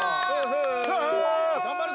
頑張るぞ！